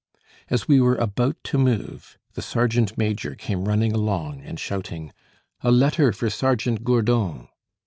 As we were about to move, the sergeant major came running along and shouting: "A letter for Sergeant Gourdon!"